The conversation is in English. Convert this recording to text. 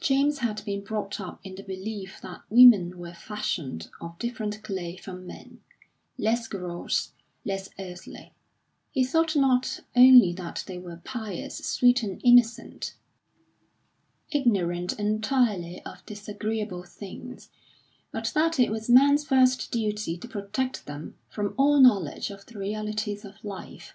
James had been brought up in the belief that women were fashioned of different clay from men, less gross, less earthly; he thought not only that they were pious, sweet and innocent, ignorant entirely of disagreeable things, but that it was man's first duty to protect them from all knowledge of the realities of life.